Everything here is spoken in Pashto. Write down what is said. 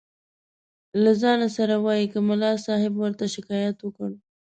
له ځانه سره وایي که ملا صاحب ورته شکایت وکړ.